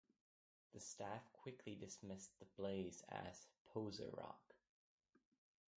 The staff quickly dismissed The Blaze as "poser rock".